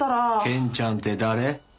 ケンちゃんって誰？